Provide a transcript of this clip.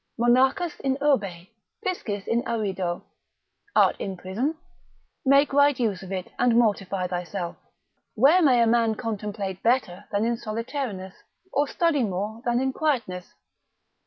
Monachus in urbe, piscis in arido. Art in prison? Make right use of it, and mortify thyself; Where may a man contemplate better than in solitariness, or study more than in quietness?